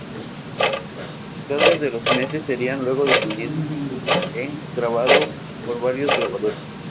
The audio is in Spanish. Los cuadros de los meses serían luego difundidos en grabado, por varios grabadores.